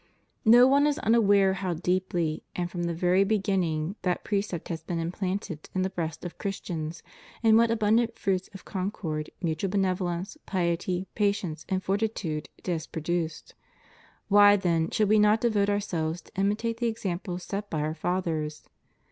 No one is unaware how deeply and from the very beginning that precept has been implanted in the breast of Christians, and what abundant fruits of concord, mutual benevolence, piety, patience, and fortitude it has produced. Why, then, should we not devote ourselves to imitate the examples set by our fathers?